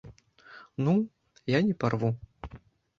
Ну, я не парву!